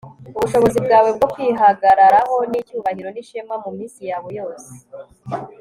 ubushobozi bwawe bwo kwihagararaho n'icyubahiro n'ishema muminsi yawe yose